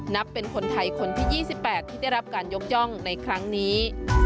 เป็นคนไทยคนที่๒๘ที่ได้รับการยกย่องในครั้งนี้